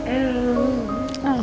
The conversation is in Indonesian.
amin ya bapak